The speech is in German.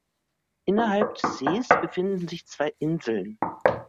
Innerhalb des Sees befindet sich zwei Inseln.